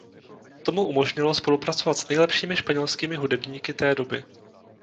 To mu umožnilo spolupracovat s nejlepšími španělskými hudebníky té doby.